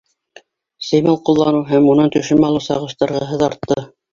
Сеймал ҡулланыу һәм унан төшөм алыу сағыштырғыһыҙ артты.